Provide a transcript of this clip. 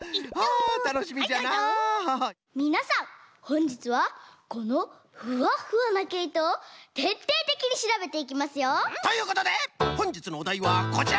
みなさんほんじつはこのふわっふわなけいとをてっていてきにしらべていきますよ！ということでほんじつのおだいはこちら！